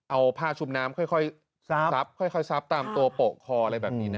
เอาผ้าชุมน้ำค่อยซับค่อยซับตามตัวโปะคออะไรแบบนี้นะ